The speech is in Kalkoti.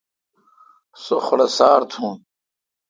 سو خڈوسار تھون۔